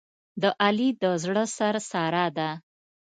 د علي د زړه سر ساره ده.